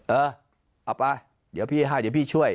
เอ้อเอาไป